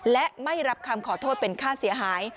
และไม่รับคำขอโทษเป็นค่าเสียหาย